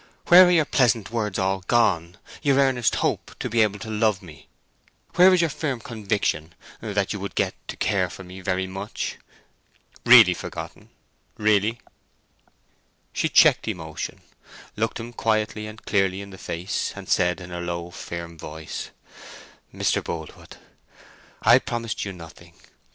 Where are your pleasant words all gone—your earnest hope to be able to love me? Where is your firm conviction that you would get to care for me very much? Really forgotten?—really?" She checked emotion, looked him quietly and clearly in the face, and said in her low, firm voice, "Mr. Boldwood, I promised you nothing.